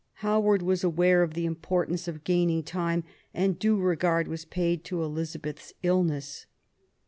Howard was aware of the importance of gaining time, and due regard was paid to Elizabeth's illness.